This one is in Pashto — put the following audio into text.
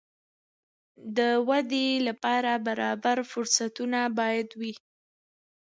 د ودې لپاره برابر فرصتونه باید وي.